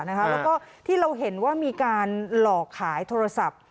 แล้วก็ที่เราเห็นว่ามีการหลอกขายโทรศัพท์